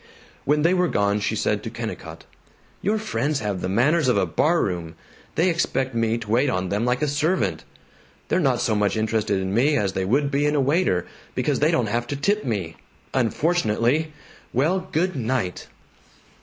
When they were gone she said to Kennicott, "Your friends have the manners of a barroom. They expect me to wait on them like a servant. They're not so much interested in me as they would be in a waiter, because they don't have to tip me. Unfortunately! Well, good night."